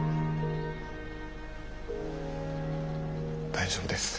大丈夫です。